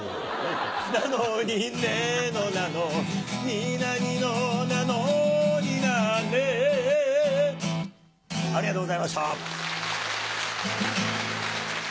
なのにねのなのになにのなのになねありがとうございました。